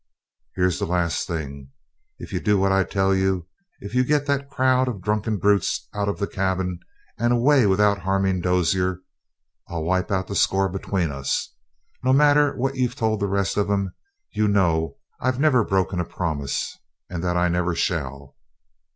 "Here's the last thing: If you do what I tell you if you get that crowd of drunken brutes out of the cabin and away without harming Dozier, I'll wipe out the score between us. No matter what you told the rest of them, you know I've never broken a promise, and that I never shall."